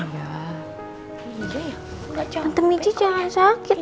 nanti michi jangan sakit